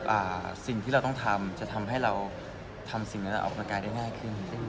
สิ่งที่เราต้องทำจะทำให้เราทำสิ่งนั้นออกกำลังกายได้ง่ายขึ้น